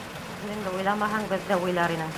Үҙеңде уйламаһаң, беҙҙе уйлар инең!